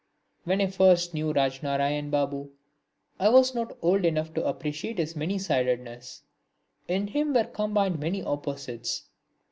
When I first knew Rajnarain Babu, I was not old enough to appreciate his many sidedness. In him were combined many opposites.